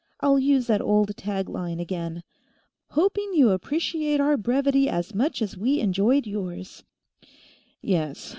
I'll use that old tag line, again 'hoping you appreciate our brevity as much as we enjoyed yours '" "Yes.